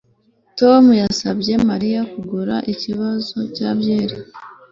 Tom yasabye Mariya kugura ikibazo cya byeri